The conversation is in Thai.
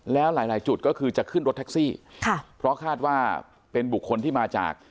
แล้วหลายหลายจุดก็คือจะขึ้นรถแท็กซี่ค่ะเพราะคาดว่าเป็นบุคคลที่มาจาก